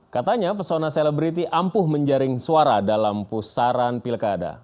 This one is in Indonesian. katanya pesona selebriti ampuh menjaring suara dalam pusaran pilkada